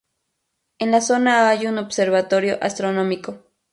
En la zona hay un observatorio astronómico.